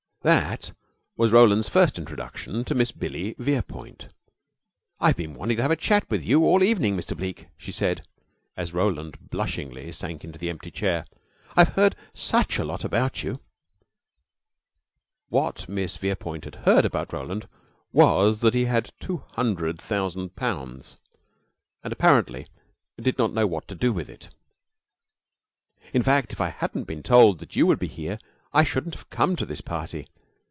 That was Roland's first introduction to Miss Billy Verepoint. "I've been wanting to have a chat with you all the evening, Mr. Bleke," she said, as Roland blushingly sank into the empty chair. "I've heard such a lot about you." What Miss Verepoint had heard about Roland was that he had two hundred thousand pounds and apparently did not know what to do with it. "In fact, if I hadn't been told that you would be here, I shouldn't have come to this party.